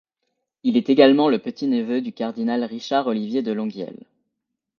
Il est également le petit-neveu du cardinal Richard Olivier de Longueil.